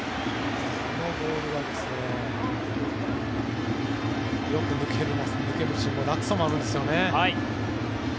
このボールはよく抜けるし落差もあるんですね。